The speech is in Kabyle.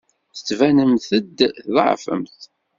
Tettbanemt-d tḍeɛfemt.